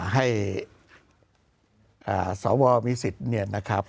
ให้เสาว่ามีสิทธิ์